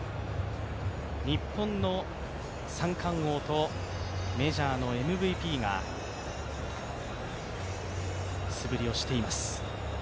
日本の三冠王とメジャーのＭＶＰが素振りをしています。